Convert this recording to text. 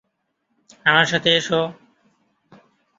আমার সাথে এসো।